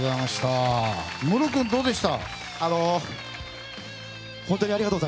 ムロ君、どうでした？